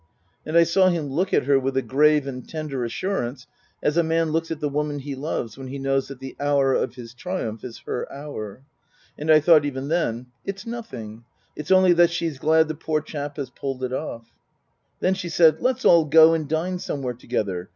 " And I saw him look at her with a grave and tender assurance, as a man looks at the woman he loves when he knows that the hour of his triumph is her hour. And I thought even then : It's nothing. It's only that she's glad the poor chap has pulled it off. Then she said, " Let's all go and dine somewhere together.